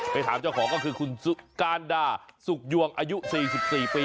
ถามเจ้าของก็คือคุณสุการดาสุกยวงอายุ๔๔ปี